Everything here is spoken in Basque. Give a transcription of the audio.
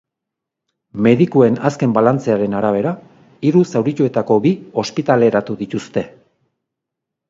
Medikuen azken balantzearen arabera, hiru zaurituetako bi ospitaleratu dituzte.